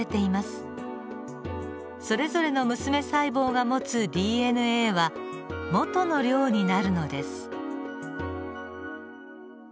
それぞれの娘細胞が持つＤＮＡはもとの量になるのです。